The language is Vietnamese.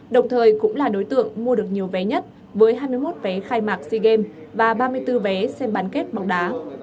đồng thời cũng là đối tượng mua được nhiều vé nhất với hai mươi một vé khai mạc sea games và ba mươi bốn vé xem bán kết bóng đá